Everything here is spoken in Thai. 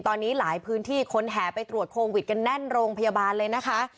ตอนนี้หลายพื้นที่คนแห่ไปตรวจโควิดกันแน่นโรงพยาบาลเลยนะคะ